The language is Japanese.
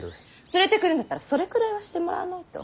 連れてくるんだったらそれくらいはしてもらわないと。